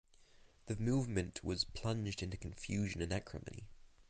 The movement was plunged into confusion and acrimony.